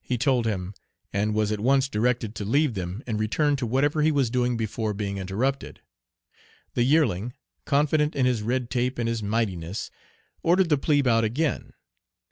He told him, and was at once directed to leave them and return to whatever he was doing before being interrupted. The yearling, confident in his red tape and his mightiness, ordered the plebe out again.